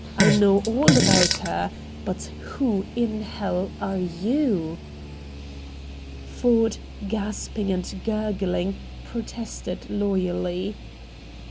I know all about HER! But, WHO IN HELL ARE YOU?" Ford, gasping and gurgling, protested loyally.